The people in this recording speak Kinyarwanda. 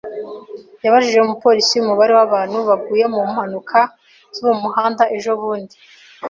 Yabajije umupolisi umubare w'abantu baguye mu mpanuka zo mu muhanda ejobundi.